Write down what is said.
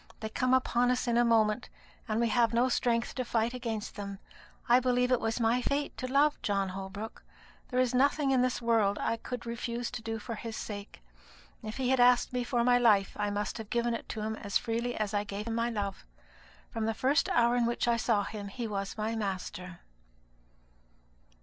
They come upon us in a moment, and we have no strength to fight against them. I believe it was my fate to love John Holbrook. There is nothing in this world I could refuse to do for his sake. If he had asked me for my life, I must have given it to him as freely as I gave him my love. From the first hour in which I saw him he was my master.'"